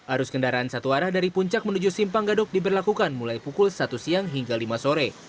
arus kendaraan satu arah dari puncak menuju simpang gadok diberlakukan mulai pukul satu siang hingga lima sore